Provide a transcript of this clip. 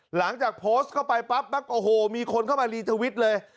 หลังจากโพสต์เข้าไปปั๊บโอ้โหมีคนเข้ามารีทวิตเลย